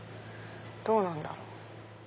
どうなんだろう？